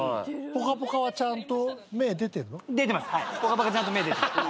『ぽかぽか』ちゃんと芽出てます。